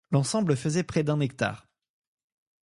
L'ensemble faisait près d'un hectare.